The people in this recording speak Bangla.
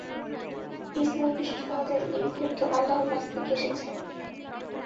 ইসলামি বিশ্বাস অনুযায়ী এই গ্রন্থ আল্লাহর কাছ থেকে এসেছে।